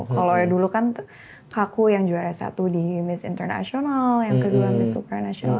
kalau dulu kan kakku yang juara satu di miss international yang kedua miss super national